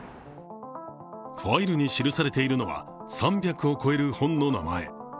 ファイルに記されているのは３００を超える本の名前。